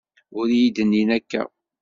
Ur iyi-d-nnin akka.